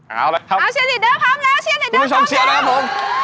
เอาล่ะครับดูชมเชียร์นะครับผมอ๋อเชียร์ดิเดอร์พร้อมแล้วเชียร์ดิเดอร์พร้อมแล้ว